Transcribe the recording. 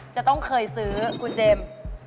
จะต้องเคยซื้อคุณเจมส์